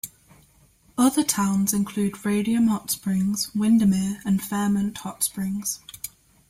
Other towns include Radium Hot Springs, Windermere and Fairmont Hot Springs.